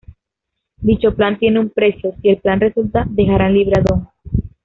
Dicho plan tiene un precio, si el plan resulta dejarán libre a Dom.